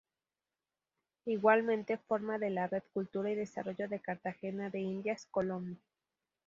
Igualmente, forma de la Red Cultura y Desarrollo de Cartagena de Indias, Colombia.